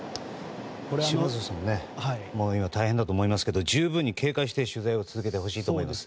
下鶴さんも今、大変だと思いますけど十分に警戒をして取材を続けてほしいと思います。